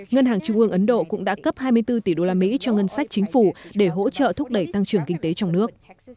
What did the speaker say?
ngân hàng trung ương ấn độ cũng đã cấp hai mươi bốn tỷ usd cho ngân sách chính phủ để hỗ trợ thúc đẩy tăng trưởng kinh tế trong nước